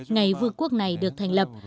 ngày vương quốc này được thành lập